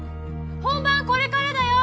本番これからだよ！